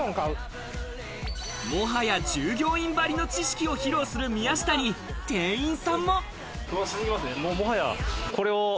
もはや従業員ばりの知識を披露する宮下に店員さんも。